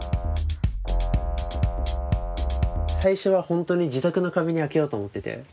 最初は本当に自宅の壁に開けようと思ってて。